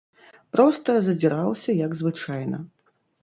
Проста задзіраўся, як звычайна.